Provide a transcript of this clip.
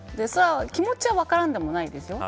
気持ちは分からんでもないですよ。